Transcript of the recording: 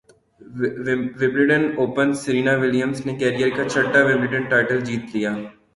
Wimbledon Open Serena ولیمزنےکیرئیر کا چھٹا ومبلڈن ٹائٹل جیت لیا